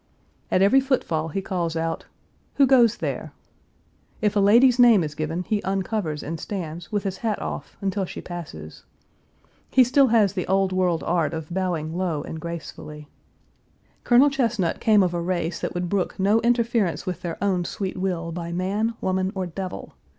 At every footfall he calls out, "Who goes there?" If a lady's name is given he uncovers and stands, with hat off, until she passes. He still has the old world art of bowing low and gracefully. Colonel Chesnut came of a race that would brook no interference with their own sweet will by man, woman, or devil.